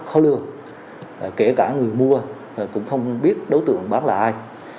các đối tượng kể cả người mua cũng không biết đối tượng bán là ai